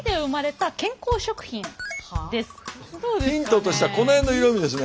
ヒントとしてはこの辺の色みですね。